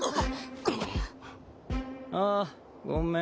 あっ！ああごめん